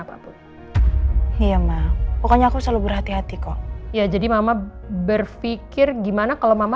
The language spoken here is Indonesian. apapun iya mah pokoknya aku selalu berhati hati kok ya jadi mama berpikir gimana kalau mama